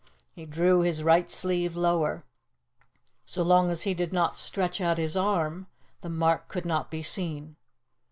He drew his right sleeve lower. So long as he did not stretch out his arm the mark could not be seen.